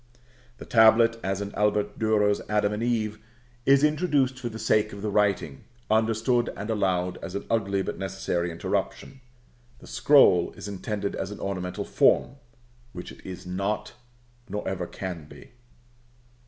The tablet, as in Albert Durer's Adam and Eve, is introduced for the sake of the writing, understood and allowed as an ugly but necessary interruption. The scroll is extended as an ornamental form, which it is not, nor ever can be.